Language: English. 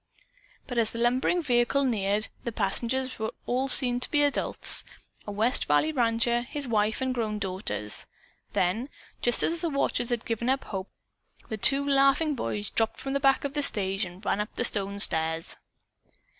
But as the lumbering vehicle neared, the passengers were seen to be all adults a west valley rancher, his wife and grown daughters. Then, just as the watchers had given up hope, the two laughing boys dropped from the back of the stage and ran up the stone stairs.